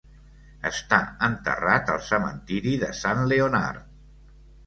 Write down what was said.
Està enterrat al cementiri de Sant Leonard.